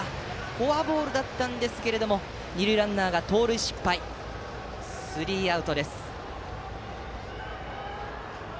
フォアボールだったんですが二塁ランナーが盗塁失敗でスリーアウトです。